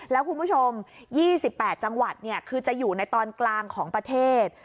แล้วคุณผู้ชม๒๘จังหวัดคือจะอยู่ในตอนกลางของประเทศ